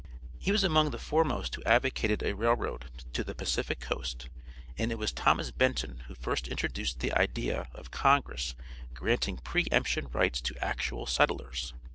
He was among the foremost who advocated a railroad to the Pacific coast, and it was Thomas Benton who first introduced the idea of congress granting pre emption rights to actual settlers.